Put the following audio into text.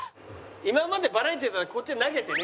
今までバラエティだったらこっちに投げてね